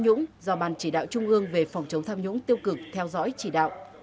nhũng do ban chỉ đạo trung ương về phòng chống tham nhũng tiêu cực theo dõi chỉ đạo